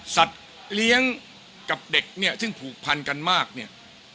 สัตว์เลี้ยงกับเด็กเนี่ยซึ่งผูกพันกันมากเนี่ย